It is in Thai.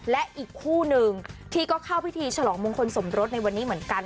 และอีกคู่หนึ่งที่ก็เข้าพิธีฉลองมงคลสมรสในวันนี้เหมือนกัน